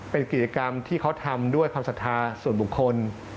เป็นกิจกรรมที่เขาทำด้วยความศรัทธาส่วนบุคคล